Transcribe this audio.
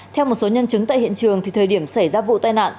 theo một số nhân chứng tại hiện trường thời điểm xảy ra vụ tai nạn